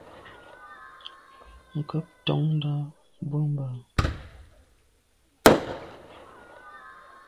Nkeb ntôndà bwe mbà.